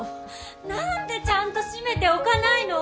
何でちゃんと閉めておかないの！？